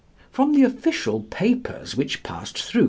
From the official papers which passed through M.